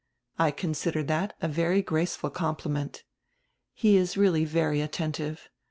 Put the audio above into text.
I consider diat a very graceful compliment. He is really very attentive.